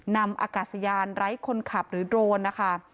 นำอากาศยานไร้คนขับหรือโดรนนะคะ